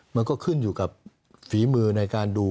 มันก็ขึ้นอยู่กับฝีมือในการดู